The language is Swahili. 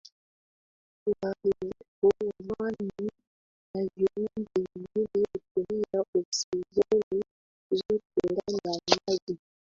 Uharibifu wa mwani na viumbe vingine hutumia oksijeni zote ndani ya maji